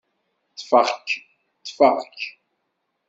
Ṭṭfeɣ-k, ṭṭfeɣ-k.